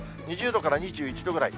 ２０度から２１度ぐらい。